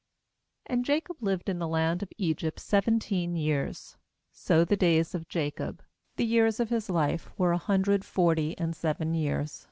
28And Jacob lived in the land of Egypt seventeen years; so the days of Jacob, the years of his life, were a hundred forty and seven years.